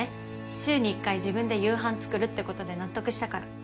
週に１回自分で夕飯作るってことで納得したから。